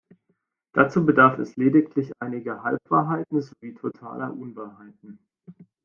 Dazu bedarf es lediglich einiger Halbwahrheiten sowie totaler Unwahrheiten.